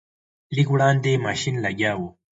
لږ وړاندې ماشین لګیا و.